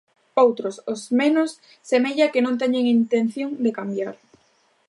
Outros, os menos, semella que non teñen intención de cambiar.